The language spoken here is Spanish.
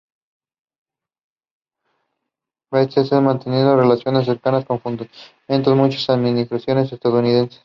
Bechtel ha mantenido relaciones cercanas con funcionarios de muchas de las administraciones estadounidenses.